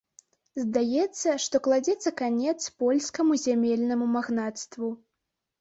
Здаецца, што кладзецца канец польскаму зямельнаму магнацтву.